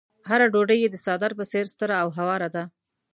هره ډوډۍ يې د څادر په څېر ستره او هواره ده.